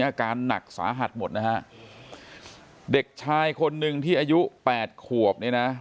อาการหนักสาหัสหมดนะฮะเด็กชายคนนึงที่อายุ๘ขวบ